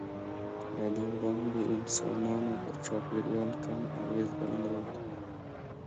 له دې وړاندې انسانانو پر چاپېریال کم اغېز درلود.